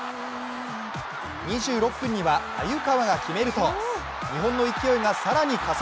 ２６分には鮎川が決めると日本の勢いが更に加速。